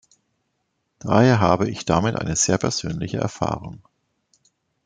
Daher habe ich damit eine sehr persönliche Erfahrung.